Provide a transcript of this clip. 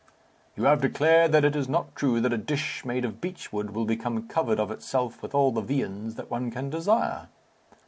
"You have declared that it is not true that a dish made of beech wood will become covered of itself with all the viands that one can desire."